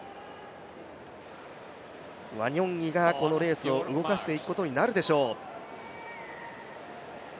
ワニョンイがこのレースを動かしていくことになるでしょう。